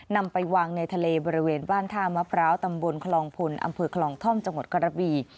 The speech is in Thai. นำไปวางในทะเลบริเวณบ้านท่ามะพร้าวตำบลคลองพลอำเภอคลองท่อมจังหวัดกระบี